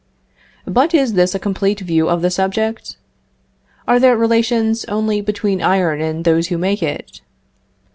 But is this a complete view of the subject? Are there relations only between iron and those who make it?